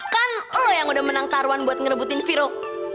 kan lo yang udah menang taruhan buat ngerebutin viro